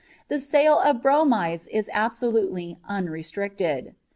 The sale of bromides is absolutely unrestricted.